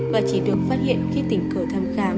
và chỉ được phát hiện khi tỉnh thừa thăm khám